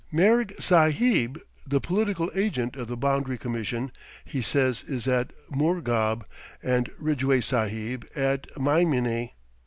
"Merg Sahib," the political agent of the Boundary Commission, he says is at Murghab, and "Ridgeway Sahib" at Maimene.